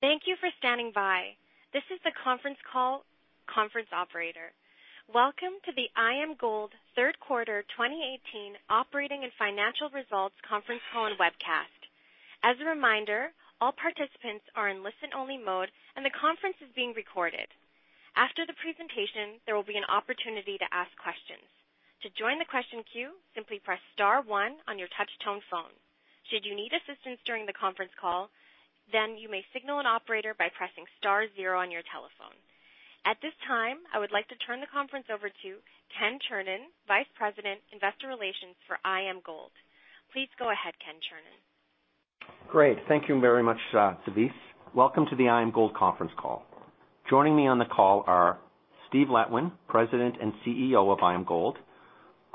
Thank you for standing by. This is the conference call operator. Welcome to the IAMGOLD third quarter 2018 operating and financial results conference call and webcast. As a reminder, all participants are in listen-only mode and the conference is being recorded. After the presentation, there will be an opportunity to ask questions. To join the question queue, simply press star one on your touch-tone phone. Should you need assistance during the conference call, you may signal an operator by pressing star zero on your telephone. At this time, I would like to turn the conference over to Ken Chernin, Vice President, Investor Relations for IAMGOLD. Please go ahead, Ken Chernin. Great. Thank you very much, Denise. Welcome to the IAMGOLD conference call. Joining me on the call are Steve Letwin, President and CEO of IAMGOLD,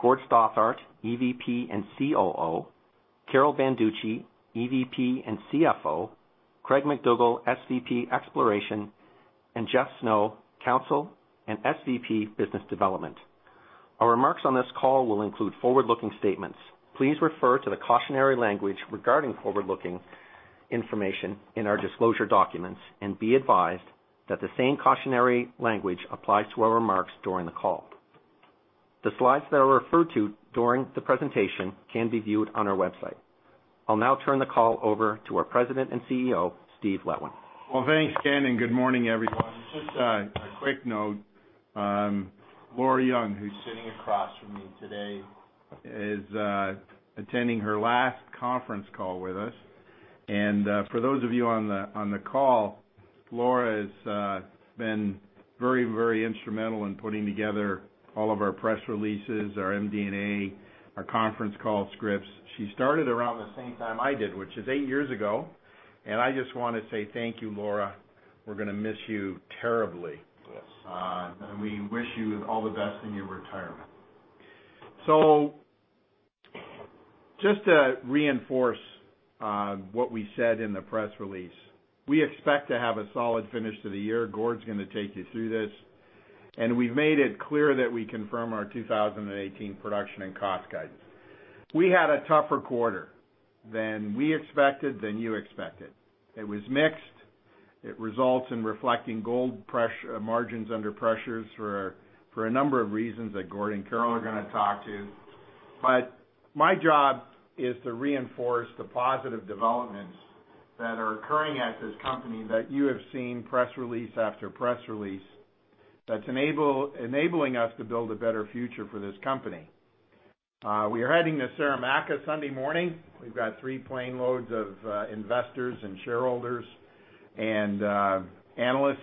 Gord Stothart, EVP and COO, Carol Banducci, EVP and CFO, Craig MacDougall, SVP, Exploration, and Jeff Snow, Counsel and SVP, Business Development. Our remarks on this call will include forward-looking statements. Please refer to the cautionary language regarding forward-looking information in our disclosure documents, and be advised that the same cautionary language applies to our remarks during the call. The slides that are referred to during the presentation can be viewed on our website. I'll now turn the call over to our President and CEO, Steve Letwin. Thanks, Ken. Good morning, everyone. Laura Young, who's sitting across from me today, is attending her last conference call with us. For those of you on the call, Laura has been very instrumental in putting together all of our press releases, our MD&A, our conference call scripts. She started around the same time I did, which is eight years ago, and I just want to say thank you, Laura. We're going to miss you terribly. Yes. We wish you all the best in your retirement. Just to reinforce what we said in the press release, we expect to have a solid finish to the year. Gord's going to take you through this, and we've made it clear that we confirm our 2018 production and cost guidance. We had a tougher quarter than we expected, than you expected. It was mixed. It results in reflecting gold margins under pressures for a number of reasons that Gord and Carol are going to talk to. My job is to reinforce the positive developments that are occurring at this company that you have seen press release after press release that's enabling us to build a better future for this company. We are heading to Saramacca Sunday morning. We've got three plane loads of investors and shareholders and analysts.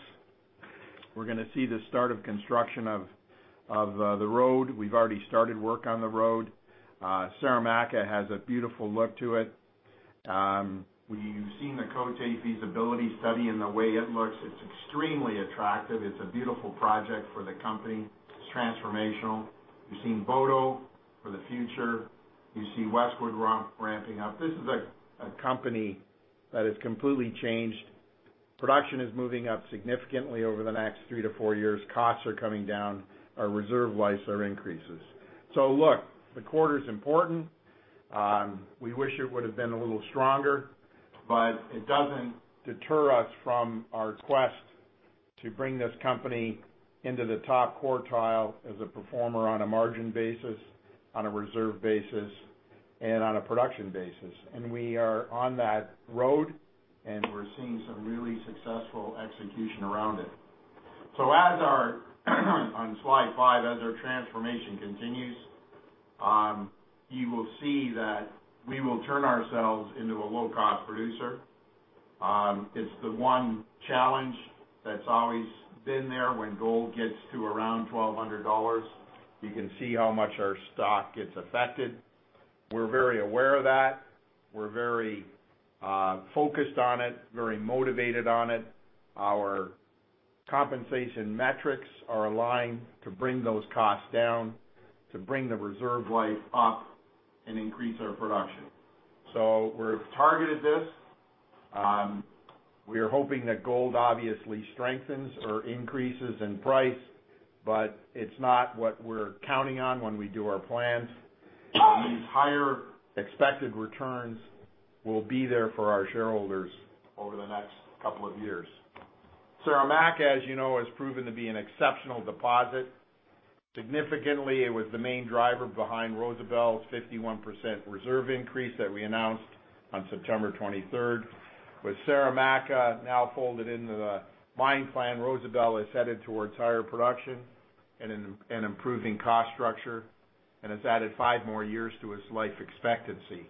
We're going to see the start of construction of the road. We've already started work on the road. Saramacca has a beautiful look to it. You've seen the Côté feasibility study and the way it looks. It's extremely attractive. It's a beautiful project for the company. It's transformational. You've seen Boto for the future. You see Westwood ramping up. This is a company that has completely changed. Production is moving up significantly over the next three to four years. Costs are coming down. Our reserve life are increases. Look, the quarter's important. We wish it would have been a little stronger, but it doesn't deter us from our quest to bring this company into the top quartile as a performer on a margin basis, on a reserve basis, and on a production basis. We are on that road, and we're seeing some really successful execution around it. On slide five, as our transformation continues, you will see that we will turn ourselves into a low-cost producer. It's the one challenge that's always been there. When gold gets to around $1,200, you can see how much our stock gets affected. We're very aware of that. We're very focused on it, very motivated on it. Our compensation metrics are aligned to bring those costs down, to bring the reserve life up and increase our production. We've targeted this. We are hoping that gold obviously strengthens or increases in price, but it's not what we're counting on when we do our plans. These higher expected returns will be there for our shareholders over the next couple of years. Saramacca, as you know, has proven to be an exceptional deposit. Significantly, it was the main driver behind Rosebel's 51% reserve increase that we announced on September 23rd. With Saramacca now folded into the mine plan, Rosebel is headed towards higher production and an improving cost structure and has added five more years to its life expectancy.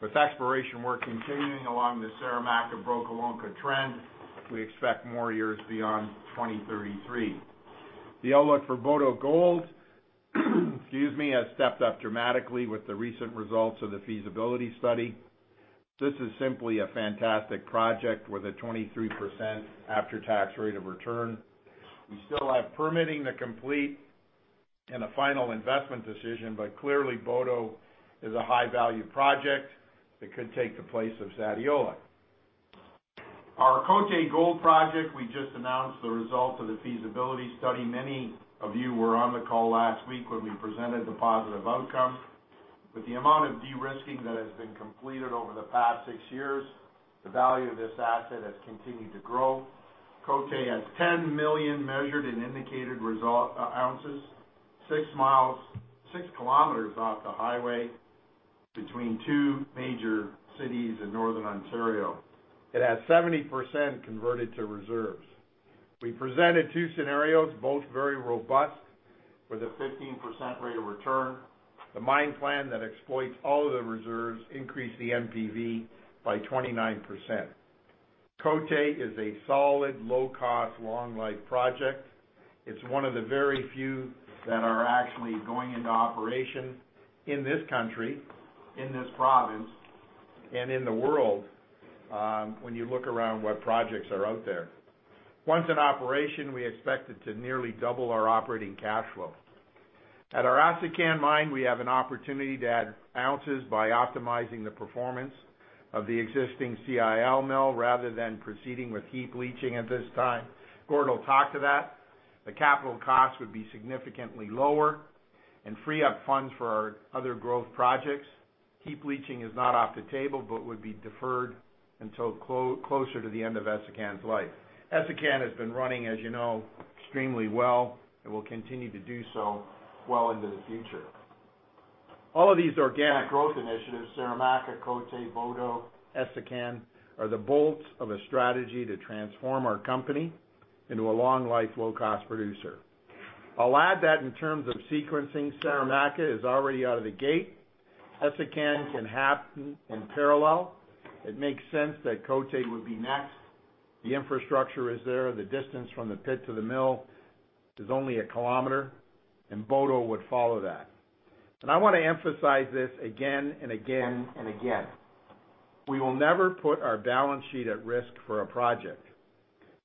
With exploration work continuing along the Saramacca-Brokolonko trend, we expect more years beyond 2033. The outlook for Boto Gold, excuse me, has stepped up dramatically with the recent results of the feasibility study. This is simply a fantastic project with a 23% after-tax rate of return. We still have permitting to complete and a final investment decision, but clearly Boto is a high-value project that could take the place of Sadiola. Our Côté Gold project, we just announced the result of the feasibility study. Many of you were on the call last week when we presented the positive outcome. With the amount of de-risking that has been completed over the past six years, the value of this asset has continued to grow. Côté has 10 million measured and indicated result ounces, six kilometers off the highway between two major cities in northern Ontario. It has 70% converted to reserves. We presented two scenarios, both very robust with a 15% rate of return. The mine plan that exploits all of the reserves increased the NPV by 29%. Côté is a solid, low cost, long life project. It's one of the very few that are actually going into operation in this country, in this province, and in the world, when you look around what projects are out there. Once in operation, we expect it to nearly double our operating cash flow. At our Essakane Mine, we have an opportunity to add ounces by optimizing the performance of the existing CIL mill rather than proceeding with heap leaching at this time. Gord will talk to that. The capital cost would be significantly lower and free up funds for our other growth projects. Heap leaching is not off the table, but would be deferred until closer to the end of Essakane's life. Essakane has been running, as you know, extremely well and will continue to do so well into the future. All of these organic growth initiatives, Saramacca, Côté, Boto, Essakane, are the bolts of a strategy to transform our company into a long life, low cost producer. I'll add that in terms of sequencing, Saramacca is already out of the gate. Essakane can happen in parallel. It makes sense that Côté would be next. The infrastructure is there. The distance from the pit to the mill is only one kilometer, Boto would follow that. I want to emphasize this again and again: we will never put our balance sheet at risk for a project.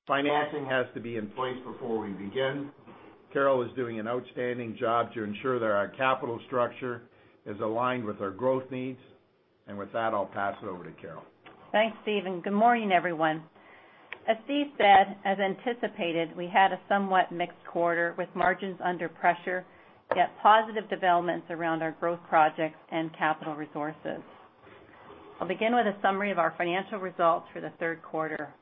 Financing has to be in place before we begin. Carol is doing an outstanding job to ensure that our capital structure is aligned with our growth needs. With that, I'll pass it over to Carol. Thanks, Steve. Good morning, everyone. As Steve said, as anticipated, we had a somewhat mixed quarter with margins under pressure, yet positive developments around our growth projects and capital resources. I'll begin with a summary of our financial results for the third quarter.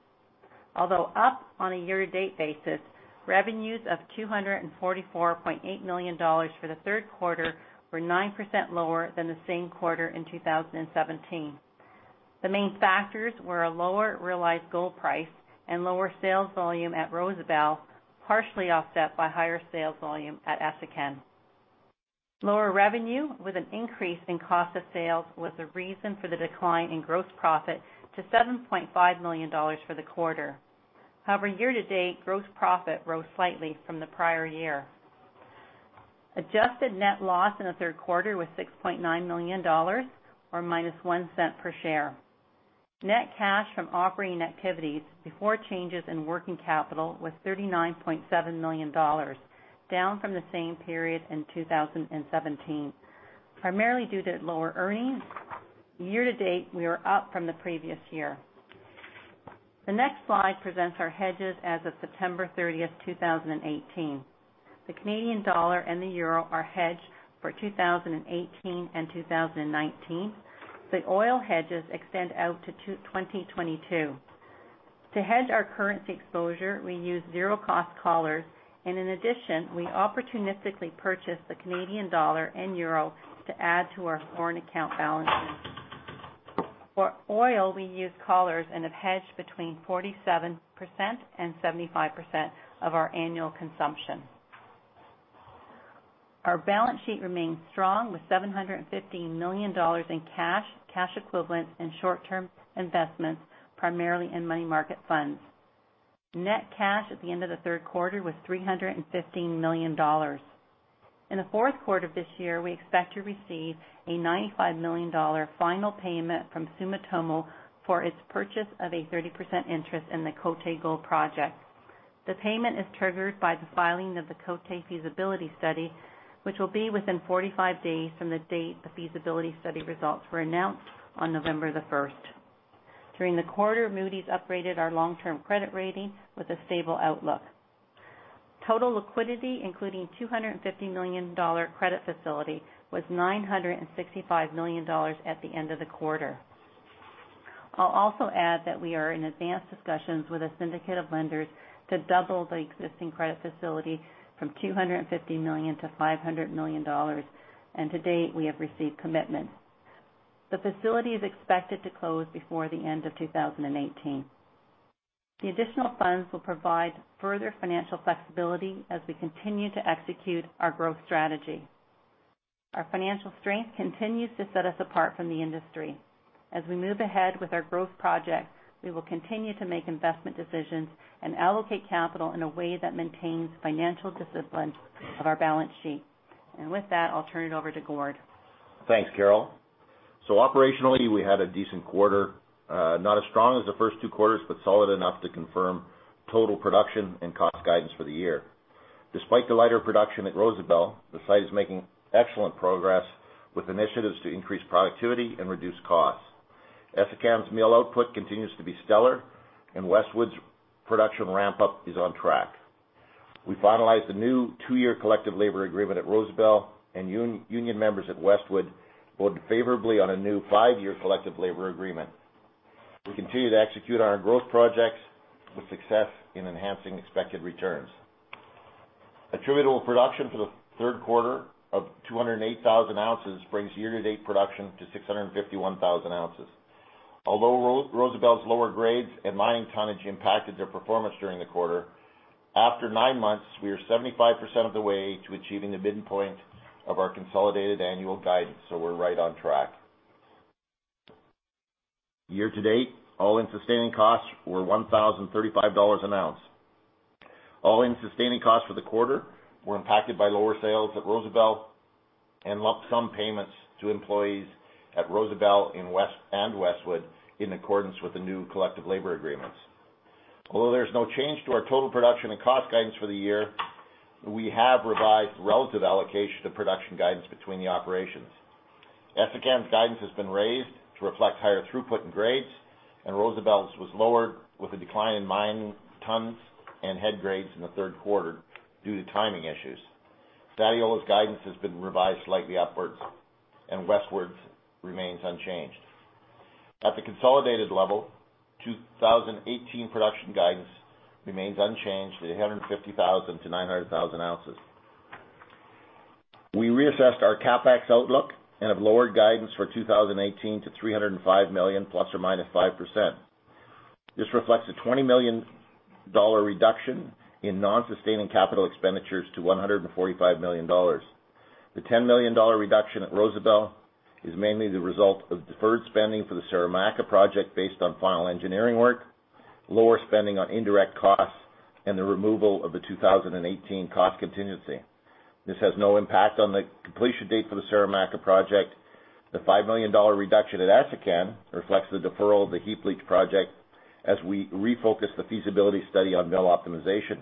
Although up on a year-to-date basis, revenues of $244.8 million for the third quarter were 9% lower than the same quarter in 2017. The main factors were a lower realized gold price and lower sales volume at Rosebel, partially offset by higher sales volume at Essakane. Lower revenue with an increase in cost of sales was the reason for the decline in gross profit to $7.5 million for the quarter. However, year-to-date, gross profit rose slightly from the prior year. Adjusted net loss in the third quarter was $6.9 million, or minus $0.01 per share. Net cash from operating activities before changes in working capital was $39.7 million, down from the same period in 2017, primarily due to lower earnings. Year-to-date, we are up from the previous year. The next slide presents our hedges as of September 30th, 2018. The Canadian dollar and the euro are hedged for 2018 and 2019. The oil hedges extend out to 2022. To hedge our currency exposure, we use zero cost collars, in addition, we opportunistically purchase the Canadian dollar and euro to add to our foreign account balances. For oil, we use collars and have hedged between 47%-75% of our annual consumption. Our balance sheet remains strong with $750 million in cash equivalents and short-term investments, primarily in money market funds. Net cash at the end of the third quarter was $315 million. In the fourth quarter of this year, we expect to receive a $95 million final payment from Sumitomo for its purchase of a 30% interest in the Côté Gold Project. The payment is triggered by the filing of the Côté feasibility study, which will be within 45 days from the date the feasibility study results were announced on November the 1st. During the quarter, Moody's upgraded our long-term credit rating with a stable outlook. Total liquidity, including $250 million credit facility, was $965 million at the end of the quarter. I'll also add that we are in advanced discussions with a syndicate of lenders to double the existing credit facility from $250 million to $500 million. To date, we have received commitments. The facility is expected to close before the end of 2018. The additional funds will provide further financial flexibility as we continue to execute our growth strategy. Our financial strength continues to set us apart from the industry. As we move ahead with our growth projects, we will continue to make investment decisions and allocate capital in a way that maintains financial discipline of our balance sheet. With that, I'll turn it over to Gord. Thanks, Carol. Operationally, we had a decent quarter. Not as strong as the first two quarters, but solid enough to confirm total production and cost guidance for the year. Despite the lighter production at Rosebel, the site is making excellent progress with initiatives to increase productivity and reduce costs. Essakane's mill output continues to be stellar and Westwood's production ramp-up is on track. We finalized the new two-year collective labor agreement at Rosebel, and union members at Westwood voted favorably on a new five-year collective labor agreement. We continue to execute on our growth projects with success in enhancing expected returns. Attributable production for the third quarter of 208,000 ounces brings year-to-date production to 651,000 ounces. Although Rosebel's lower grades and mining tonnage impacted their performance during the quarter, after nine months, we are 75% of the way to achieving the midpoint of our consolidated annual guidance. We're right on track. Year to date, all-in sustaining costs were $1,035 an ounce. All-in sustaining costs for the quarter were impacted by lower sales at Rosebel and lump sum payments to employees at Rosebel and Westwood in accordance with the new collective labor agreements. There's no change to our total production and cost guidance for the year, we have revised relative allocation of production guidance between the operations. Essakane's guidance has been raised to reflect higher throughput in grades, and Rosebel's was lowered with a decline in mined tons and head grades in the third quarter due to timing issues. Sadiola's guidance has been revised slightly upwards, and Westwood's remains unchanged. At the consolidated level, 2018 production guidance remains unchanged at 850,000 to 900,000 ounces. We reassessed our CapEx outlook and have lowered guidance for 2018 to $305 million ±5%. This reflects a $20 million reduction in non-sustaining capital expenditures to $145 million. The $10 million reduction at Rosebel is mainly the result of deferred spending for the Saramacca Project based on final engineering work, lower spending on indirect costs, and the removal of the 2018 cost contingency. This has no impact on the completion date for the Saramacca Project. The $5 million reduction at Essakane reflects the deferral of the heap leach project as we refocus the feasibility study on mill optimization.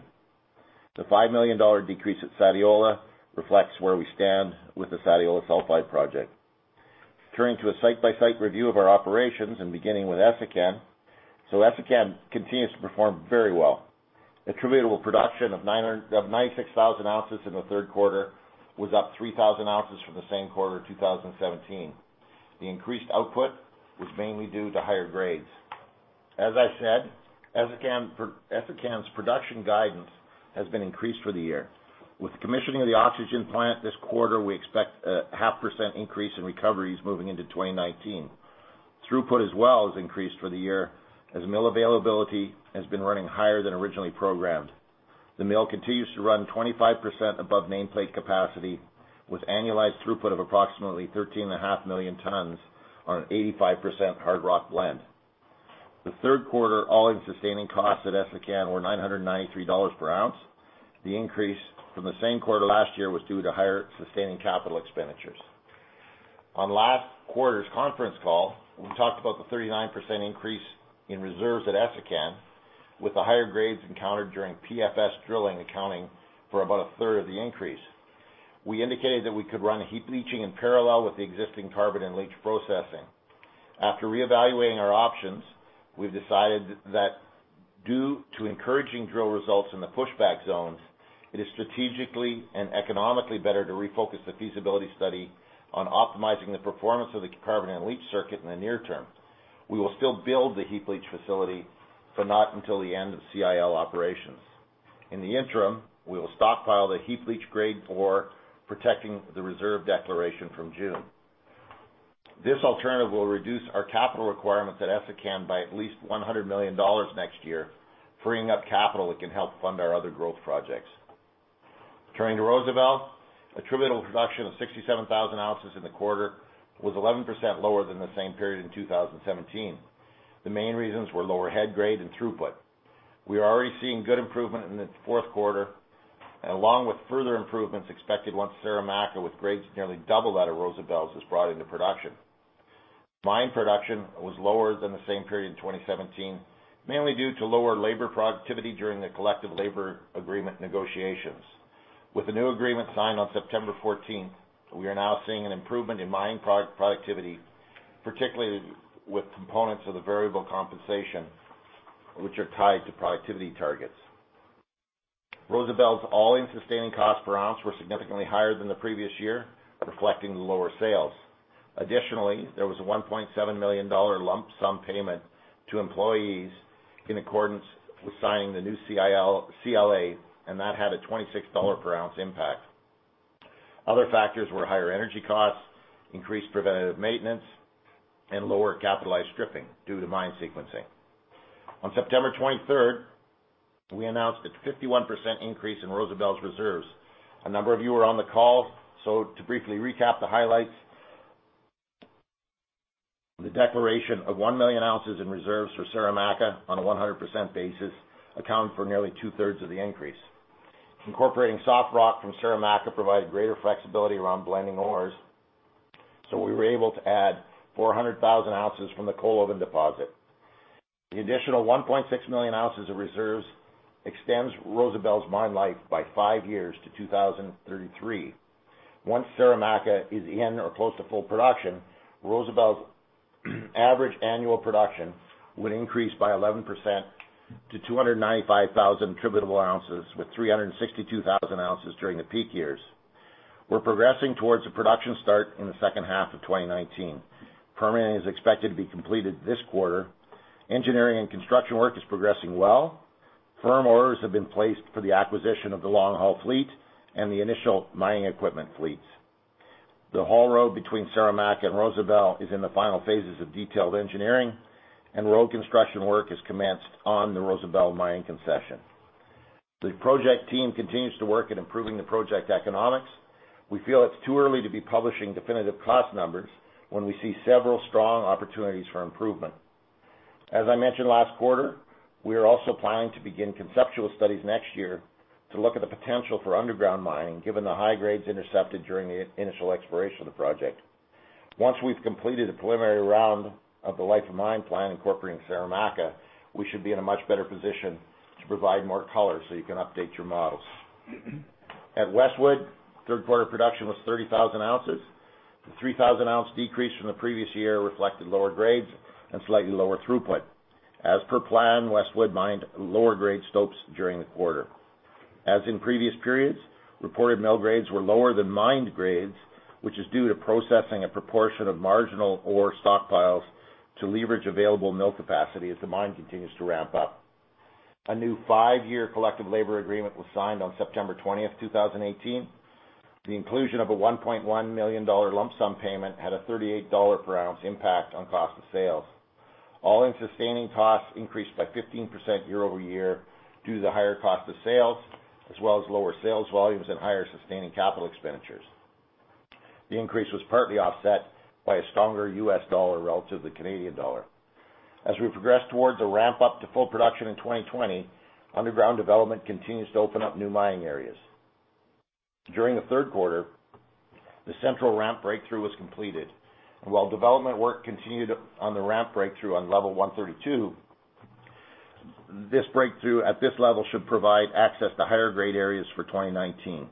The $5 million decrease at Sadiola reflects where we stand with the Sadiola Sulfide Project. Turning to a site-by-site review of our operations and beginning with Essakane. Essakane continues to perform very well. Attributable production of 96,000 ounces in the third quarter was up 3,000 ounces from the same quarter 2017. The increased output was mainly due to higher grades. As I said, Essakane's production guidance has been increased for the year. With commissioning of the oxygen plant this quarter, we expect a half percent increase in recoveries moving into 2019. Throughput as well has increased for the year, as mill availability has been running higher than originally programmed. The mill continues to run 25% above nameplate capacity with annualized throughput of approximately 13.5 million tons on an 85% hard rock blend. The third quarter all-in sustaining costs at Essakane were $993 per ounce. The increase from the same quarter last year was due to higher sustaining capital expenditures. On last quarter's conference call, we talked about the 39% increase in reserves at Essakane with the higher grades encountered during PFS drilling accounting for about a third of the increase. We indicated that we could run heap leaching in parallel with the existing carbon and leach processing. After reevaluating our options, we've decided that due to encouraging drill results in the pushback zones, it is strategically and economically better to refocus the feasibility study on optimizing the performance of the carbon and leach circuit in the near term. We will still build the heap leach facility, but not until the end of CIL operations. In the interim, we will stockpile the heap leach grade ore, protecting the reserve declaration from June. This alternative will reduce our capital requirements at Essakane by at least $100 million next year, freeing up capital that can help fund our other growth projects. Turning to Rosebel, attributable production of 67,000 ounces in the quarter was 11% lower than the same period in 2017. The main reasons were lower head grade and throughput. We are already seeing good improvement in the fourth quarter, along with further improvements expected once Saramacca, with grades nearly double that of Rosebel's, is brought into production. Mine production was lower than the same period in 2017, mainly due to lower labor productivity during the collective labor agreement negotiations. With the new agreement signed on September 14th, we are now seeing an improvement in mining productivity, particularly with components of the variable compensation, which are tied to productivity targets. Rosebel's all-in sustaining costs per ounce were significantly higher than the previous year, reflecting the lower sales. Additionally, there was a $1.7 million lump sum payment to employees in accordance with signing the new CLA, and that had a $26 per ounce impact. Other factors were higher energy costs, increased preventative maintenance, and lower capitalized stripping due to mine sequencing. On September 23rd, we announced a 51% increase in Rosebel's reserves. A number of you were on the call, so to briefly recap the highlights, the declaration of 1 million ounces in reserves for Saramacca on a 100% basis account for nearly two-thirds of the increase. Incorporating soft rock from Saramacca provided greater flexibility around blending ores. So we were able to add 400,000 ounces from the Koolhoven deposit. The additional 1.6 million ounces of reserves extends Rosebel's mine life by five years to 2033. Once Saramacca is in or close to full production, Rosebel's average annual production would increase by 11% to 295,000 attributable ounces, with 362,000 ounces during the peak years. We're progressing towards a production start in the second half of 2019. Permitting is expected to be completed this quarter. Engineering and construction work is progressing well. Firm orders have been placed for the acquisition of the long haul fleet and the initial mining equipment fleets. The haul road between Saramacca and Rosebel is in the final phases of detailed engineering, and road construction work has commenced on the Rosebel mining concession. The project team continues to work at improving the project economics. We feel it's too early to be publishing definitive cost numbers when we see several strong opportunities for improvement. As I mentioned last quarter, we are also planning to begin conceptual studies next year to look at the potential for underground mining, given the high grades intercepted during the initial exploration of the project. Once we've completed a preliminary round of the life of mine plan incorporating Saramacca, we should be in a much better position to provide more color so you can update your models. At Westwood, third quarter production was 30,000 ounces. The 3,000 ounce decrease from the previous year reflected lower grades and slightly lower throughput. As per plan, Westwood mined lower grade stopes during the quarter. As in previous periods, reported mill grades were lower than mined grades, which is due to processing a proportion of marginal ore stockpiles to leverage available mill capacity as the mine continues to ramp up. A new five-year collective labor agreement was signed on September 20th, 2018. The inclusion of a $1.1 million lump sum payment had a $38 per ounce impact on cost of sales. All-in sustaining costs increased by 15% year-over-year due to the higher cost of sales, as well as lower sales volumes and higher sustaining capital expenditures. The increase was partly offset by a stronger U.S. dollar relative to the Canadian dollar. As we progress towards a ramp-up to full production in 2020, underground development continues to open up new mining areas. During the third quarter, the central ramp breakthrough was completed while development work continued on the ramp breakthrough on level 132. This breakthrough at this level should provide access to higher grade areas for 2019.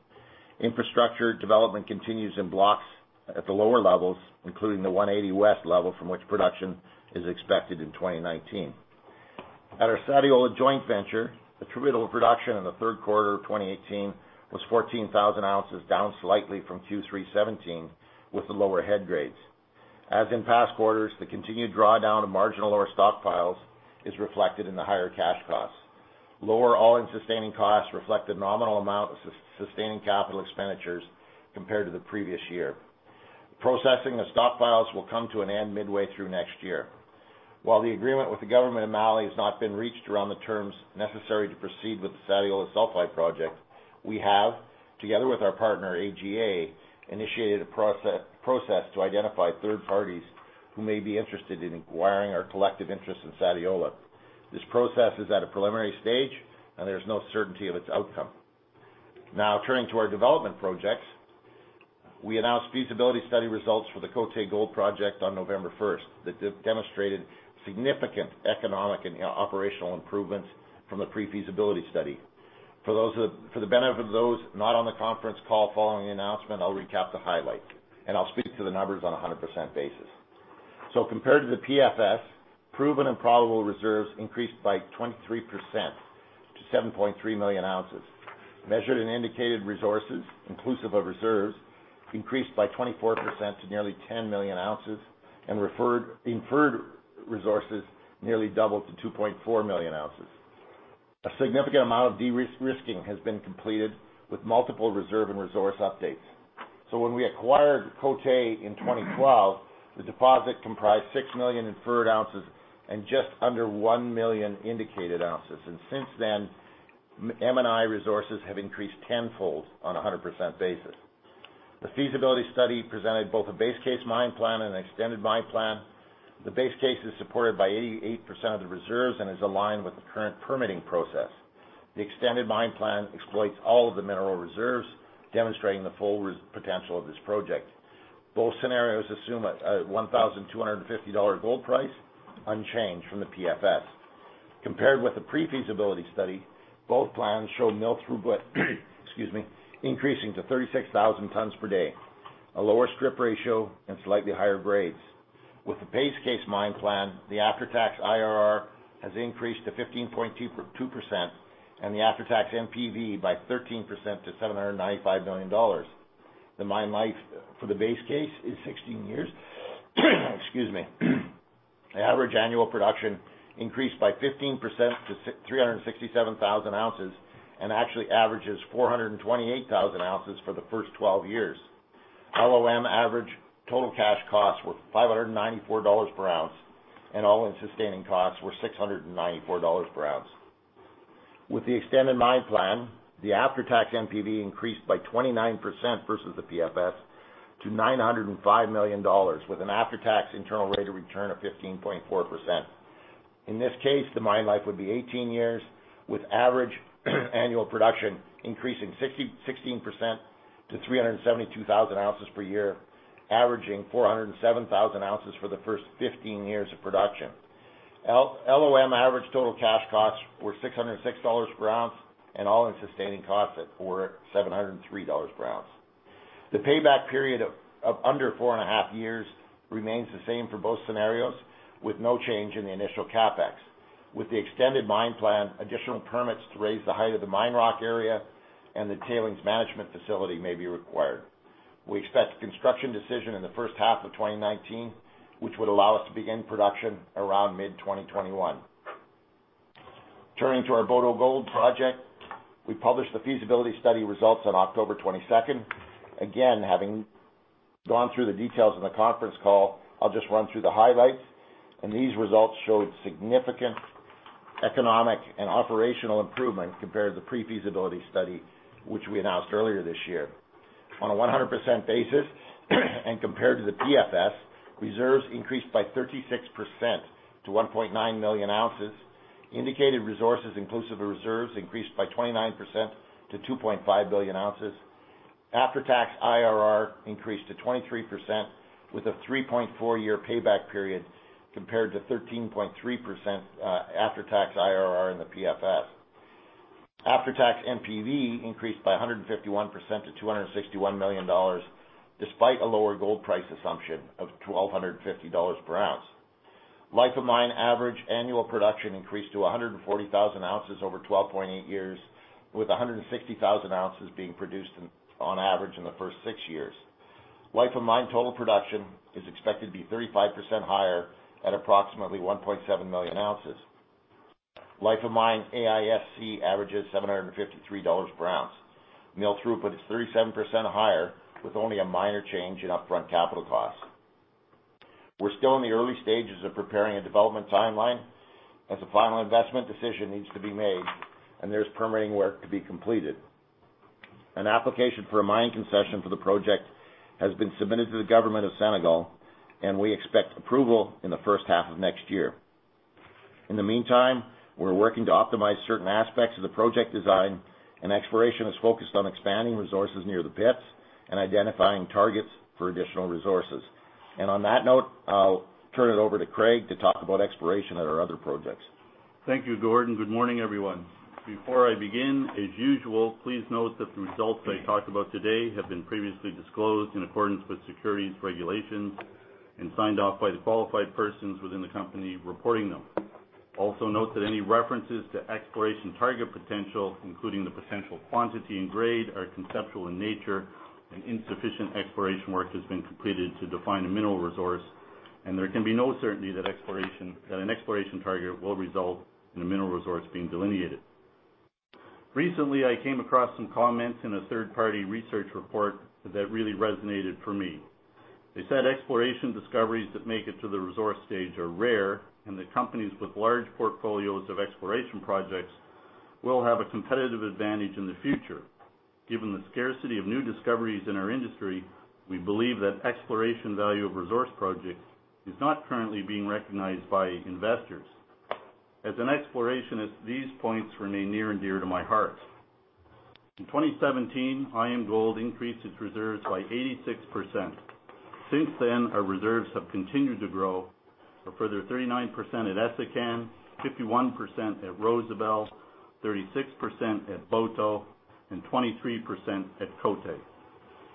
Infrastructure development continues in blocks at the lower levels, including the 180 west level from which production is expected in 2019. At our Sadiola joint venture, attributable production in the third quarter of 2018 was 14,000 ounces, down slightly from Q3 '17 with the lower head grades. As in past quarters, the continued drawdown of marginal ore stockpiles is reflected in the higher cash costs. Lower all-in sustaining costs reflect a nominal amount of sustaining capital expenditures compared to the previous year. Processing the stockpiles will come to an end midway through next year. While the agreement with the government of Mali has not been reached around the terms necessary to proceed with the Sadiola Sulfide Project, we have, together with our partner AGA, initiated a process to identify third parties who may be interested in acquiring our collective interest in Sadiola. This process is at a preliminary stage, and there's no certainty of its outcome. Turning to our development projects. We announced feasibility study results for the Côté Gold Project on November 1st that demonstrated significant economic and operational improvements from the pre-feasibility study. For the benefit of those not on the conference call following the announcement, I'll recap the highlights and I'll speak to the numbers on 100% basis. Compared to the PFS, proven and probable reserves increased by 23% to 7.3 million ounces. Measured and indicated resources inclusive of reserves increased by 24% to nearly 10 million ounces and inferred resources nearly doubled to 2.4 million ounces. A significant amount of de-risking has been completed with multiple reserve and resource updates. When we acquired Côté in 2012, the deposit comprised six million inferred ounces and just under one million indicated ounces. Since then, M&I resources have increased tenfold on 100% basis. The feasibility study presented both a base case mine plan and an extended mine plan. The base case is supported by 88% of the reserves and is aligned with the current permitting process. The extended mine plan exploits all of the mineral reserves, demonstrating the full potential of this project. Both scenarios assume a $1,250 gold price unchanged from the PFS. Compared with the pre-feasibility study, both plans show mill throughput increasing to 36,000 tons per day, a lower strip ratio and slightly higher grades. With the base case mine plan, the after-tax IRR has increased to 15.2% and the after-tax NPV by 13% to $795 million. The mine life for the base case is 16 years. Excuse me. The average annual production increased by 15% to 367,000 ounces and actually averages 428,000 ounces for the first 12 years. LOM average total cash costs were $594 per ounce, and all-in sustaining costs were $694 per ounce. With the extended mine plan, the after-tax NPV increased by 29% versus the PFS to $905 million, with an after-tax internal rate of return of 15.4%. In this case, the mine life would be 18 years, with average annual production increasing 16% to 372,000 ounces per year, averaging 407,000 ounces for the first 15 years of production. LOM average total cash costs were $606 per ounce and all-in sustaining costs were $703 per ounce. The payback period of under four and a half years remains the same for both scenarios, with no change in the initial CapEx. With the extended mine plan, additional permits to raise the height of the mine rock area and the tailings management facility may be required. We expect a construction decision in the first half of 2019, which would allow us to begin production around mid-2021. Turning to our Boto Gold project, we published the feasibility study results on October 22nd. Again, having gone through the details in the conference call, I'll just run through the highlights, and these results showed significant economic and operational improvement compared to pre-feasibility study, which we announced earlier this year. On a 100% basis and compared to the PFS, reserves increased by 36% to 1.9 million ounces. Indicated resources inclusive of reserves increased by 29% to 2.5 billion ounces. After-tax IRR increased to 23% with a 3.4-year payback period compared to 13.3% after-tax IRR in the PFS. After-tax NPV increased by 151% to $261 million despite a lower gold price assumption of $1,250 per ounce. Life of mine average annual production increased to 140,000 ounces over 12.8 years, with 160,000 ounces being produced on average in the first six years. Life of mine total production is expected to be 35% higher at approximately 1.7 million ounces. Life of mine AISC averages $753 per ounce. Mill throughput is 37% higher, with only a minor change in upfront capital costs. We're still in the early stages of preparing a development timeline as a final investment decision needs to be made and there's permitting work to be completed. An application for a mining concession for the project has been submitted to the government of Senegal, and we expect approval in the first half of next year. In the meantime, we're working to optimize certain aspects of the project design, and exploration is focused on expanding resources near the pits and identifying targets for additional resources. On that note, I'll turn it over to Craig to talk about exploration at our other projects. Thank you, Gord. Good morning, everyone. Before I begin, as usual, please note that the results I talk about today have been previously disclosed in accordance with securities regulations and signed off by the qualified persons within the company reporting them. Also note that any references to exploration target potential, including the potential quantity and grade, are conceptual in nature, and insufficient exploration work has been completed to define a mineral resource, and there can be no certainty that an exploration target will result in a mineral resource being delineated. Recently, I came across some comments in a third-party research report that really resonated for me. They said exploration discoveries that make it to the resource stage are rare, and that companies with large portfolios of exploration projects will have a competitive advantage in the future. Given the scarcity of new discoveries in our industry, we believe that exploration value of resource projects is not currently being recognized by investors. As an explorationist, these points remain near and dear to my heart. In 2017, IAMGOLD increased its reserves by 86%. Since then, our reserves have continued to grow, a further 39% at Essakane, 51% at Rosebel, 36% at Boto, and 23% at Côté.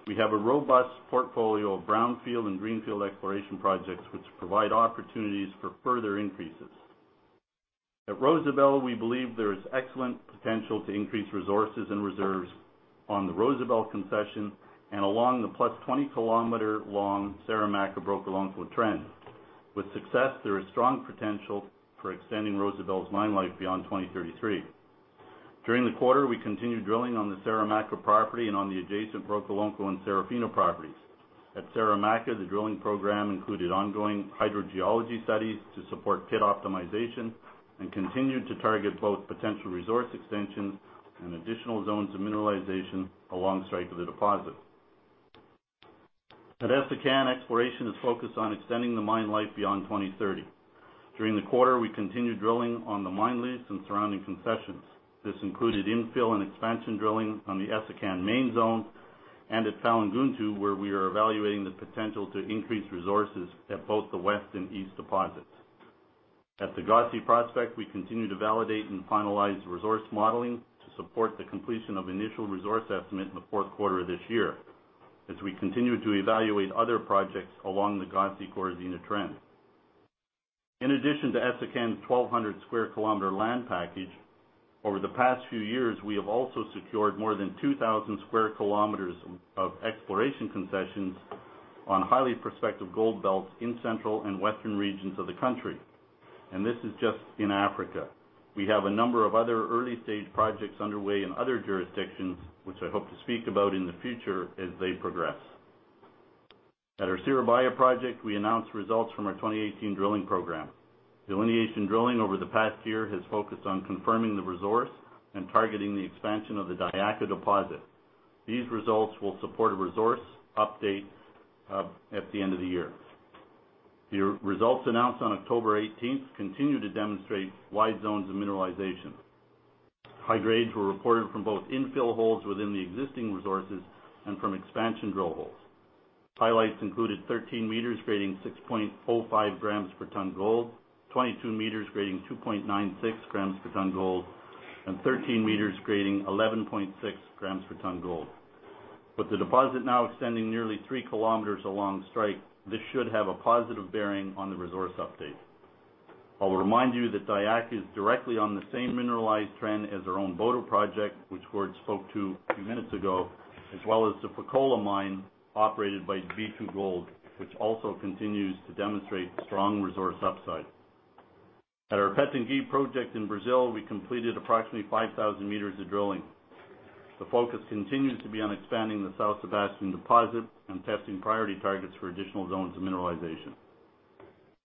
We have a robust portfolio of brownfield and greenfield exploration projects which provide opportunities for further increases. At Rosebel, we believe there is excellent potential to increase resources and reserves on the Rosebel concession and along the plus 20-km-long Saramacca-Brokolonko trend. With success, there is strong potential for extending Rosebel's mine life beyond 2033. During the quarter, we continued drilling on the Saramacca property and on the adjacent Brokolonko and Sarafina properties. At Saramacca, the drilling program included ongoing hydrogeology studies to support pit optimization and continued to target both potential resource extensions and additional zones of mineralization along strike of the deposit. At Essakane, exploration is focused on extending the mine life beyond 2030. During the quarter, we continued drilling on the mine lease and surrounding concessions. This included infill and expansion drilling on the Essakane main zone and at Falagountou, where we are evaluating the potential to increase resources at both the west and east deposits. At the Gossi prospect, we continue to validate and finalize resource modeling to support the completion of initial resource estimate in the fourth quarter of this year as we continue to evaluate other projects along the Gossi-Korizena trend. In addition to Essakane's 1,200 sq km land package, over the past few years, we have also secured more than 2,000 sq km of exploration concessions on highly prospective gold belts in central and western regions of the country. This is just in Africa. We have a number of other early-stage projects underway in other jurisdictions, which I hope to speak about in the future as they progress. At our Siribaya project, we announced results from our 2018 drilling program. Delineation drilling over the past year has focused on confirming the resource and targeting the expansion of the Diakha deposit. These results will support a resource update at the end of the year. The results announced on October 18th continue to demonstrate wide zones of mineralization. High grades were reported from both infill holes within the existing resources and from expansion drill holes. Highlights included 13 meters grading 6.05 grams per ton gold, 22 meters grading 2.96 grams per ton gold, and 13 meters grading 11.6 grams per ton gold. With the deposit now extending nearly three km along strike, this should have a positive bearing on the resource update. I will remind you that Diakha is directly on the same mineralized trend as our own Boto project, which Gord spoke to a few minutes ago, as well as the Fekola mine operated by B2Gold, which also continues to demonstrate strong resource upside. At our Pitangui project in Brazil, we completed approximately 5,000 meters of drilling. The focus continues to be on expanding the South Sebastian deposit and testing priority targets for additional zones of mineralization.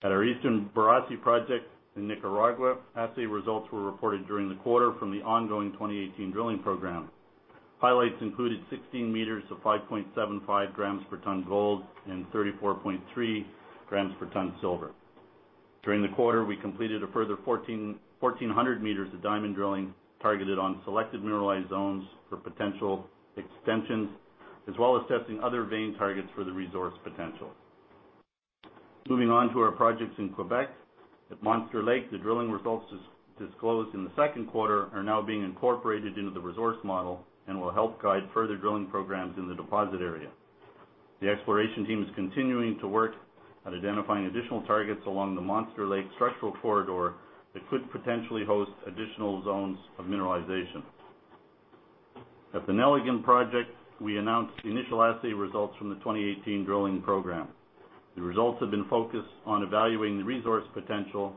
At our Eastern Borosi project in Nicaragua, assay results were reported during the quarter from the ongoing 2018 drilling program. Highlights included 16 meters of 5.75 grams per ton gold and 34.3 grams per ton silver. During the quarter, we completed a further 1,400 meters of diamond drilling targeted on selected mineralized zones for potential extensions, as well as testing other vein targets for the resource potential. Moving on to our projects in Quebec. At Monster Lake, the drilling results disclosed in the second quarter are now being incorporated into the resource model and will help guide further drilling programs in the deposit area. The exploration team is continuing to work at identifying additional targets along the Monster Lake structural corridor that could potentially host additional zones of mineralization. At the Nelligan project, we announced the initial assay results from the 2018 drilling program. The results have been focused on evaluating the resource potential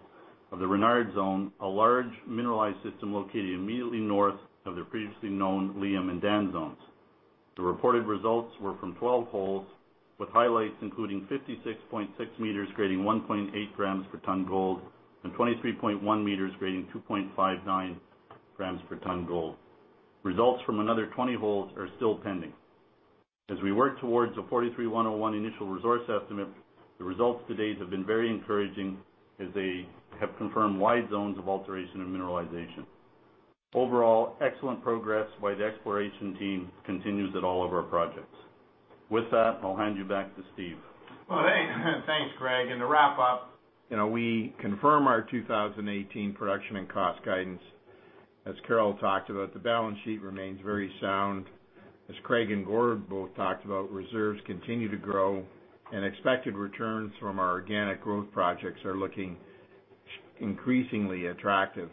of the Renard Zone, a large mineralized system located immediately north of the previously known Liam and Dan Zones. The reported results were from 12 holes, with highlights including 56.6 meters grading 1.8 grams per ton gold and 23.1 meters grading 2.59 grams per ton gold. Results from another 20 holes are still pending. As we work towards a 43-101 initial resource estimate, the results to date have been very encouraging as they have confirmed wide zones of alteration and mineralization. Overall, excellent progress by the exploration team continues at all of our projects. With that, I'll hand you back to Steve. Well, thanks, Craig. To wrap up, we confirm our 2018 production and cost guidance. As Carol talked about, the balance sheet remains very sound. As Craig and Gord both talked about, reserves continue to grow, and expected returns from our organic growth projects are looking increasingly attractive.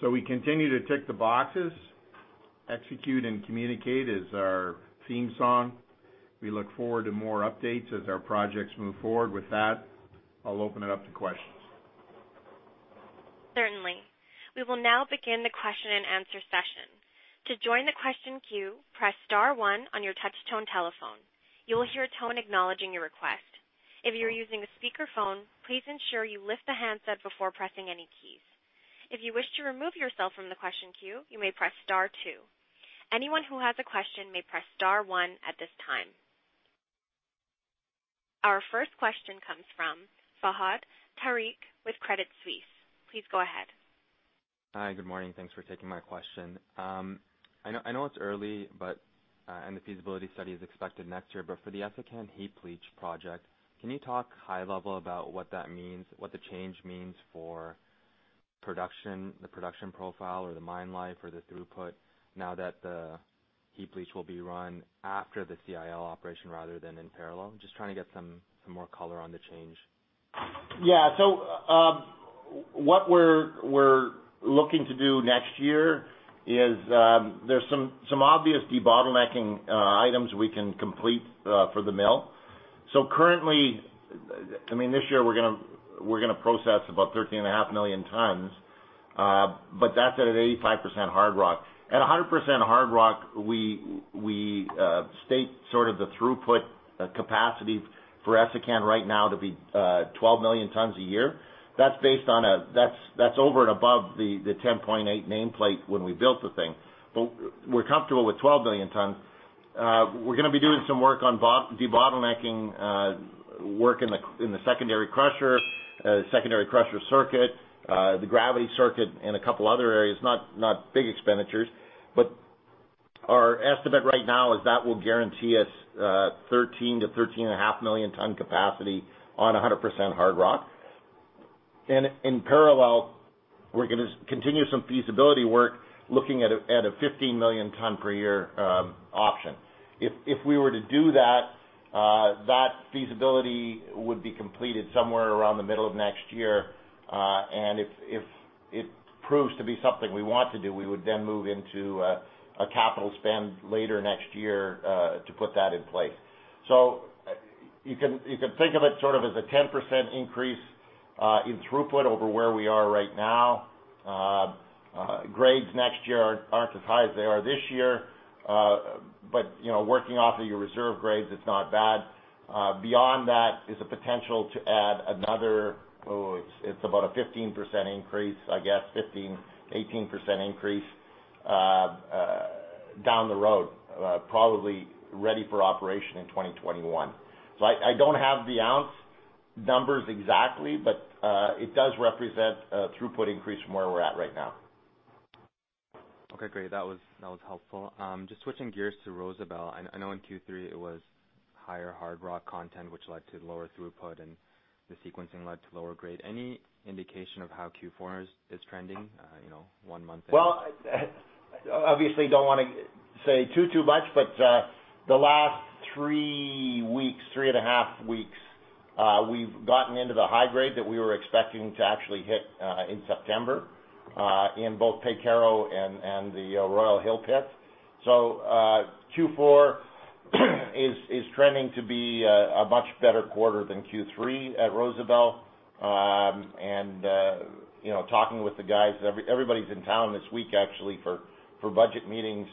We continue to tick the boxes. Execute and communicate is our theme song. We look forward to more updates as our projects move forward. With that, I'll open it up to questions. Certainly. We will now begin the question and answer session. To join the question queue, press *1 on your touchtone telephone. You will hear a tone acknowledging your request. If you are using a speakerphone, please ensure you lift the handset before pressing any keys. If you wish to remove yourself from the question queue, you may press *2. Anyone who has a question may press *1 at this time. Our first question comes from Fahad Tariq with Credit Suisse. Please go ahead. Hi, good morning. Thanks for taking my question. I know it's early and the feasibility study is expected next year, for the Essakane heap leach project, can you talk high level about what the change means for the production profile or the mine life or the throughput now that the CIL operation rather than in parallel? Just trying to get some more color on the change. Yeah. What we're looking to do next year is there's some obvious debottlenecking items we can complete for the mill. Currently, this year we're going to process about 13.5 million tons, but that's at an 85% hard rock. At 100% hard rock, we state the throughput capacity for Essakane right now to be 12 million tons a year. That's over and above the 10.8 nameplate when we built the thing. We're comfortable with 12 million tons. We're going to be doing some work on debottlenecking work in the secondary crusher circuit, the gravity circuit and a couple other areas, not big expenditures. Our estimate right now is that will guarantee us 13 million-13.5 million ton capacity on 100% hard rock. In parallel, we're going to continue some feasibility work looking at a 15 million ton per year option. If we were to do that feasibility would be completed somewhere around the middle of next year, if it proves to be something we want to do, we would then move into a capital spend later next year to put that in place. You can think of it as a 10% increase in throughput over where we are right now. Grades next year aren't as high as they are this year, working off of your reserve grades, it's not bad. Beyond that is a potential to add another, it's about a 15% increase, I guess 15, 18% increase down the road. Probably ready for operation in 2021. I don't have the ounce numbers exactly, it does represent a throughput increase from where we're at right now. Okay, great. That was helpful. Just switching gears to Rosebel, I know in Q3 it was higher hard rock content, which led to lower throughput and the sequencing led to lower grade. Any indication of how Q4 is trending one month in? Don't want to say too much, the last three and a half weeks, we've gotten into the high grade that we were expecting to actually hit in September, in both Pay Caro and the Royal Hill pit. Q4 is trending to be a much better quarter than Q3 at Rosebel. Talking with the guys, everybody's in town this week actually for budget meetings.